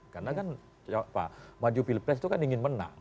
karena kan maju pilpres itu kan ingin menang